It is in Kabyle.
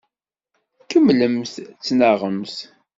Kemmlemt ttnaɣemt.